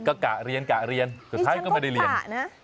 ก็กะเรียนกะเรียนสุดท้ายก็ไม่ได้เรียน